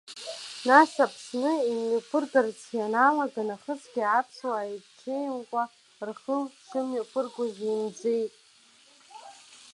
Нас Аԥсны имҩаԥыргарц ианалага нахысгьы, аԥсуаа иҽеимкәа рхы шмҩаԥыргоз имӡеит.